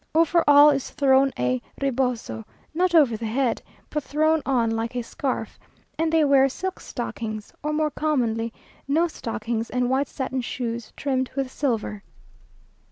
Over all is thrown a reboso, not over the head, but thrown on like a scarf; and they wear silk stockings, or more commonly no stockings, and white satin shoes trimmed with silver.